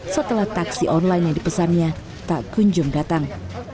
setelah taksi online yang dipesannya tak kunjung datang